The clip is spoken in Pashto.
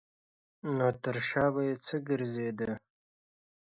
نو تر شا به یې ګرځېده.